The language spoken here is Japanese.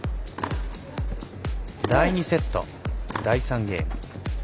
第２セット、第３ゲーム。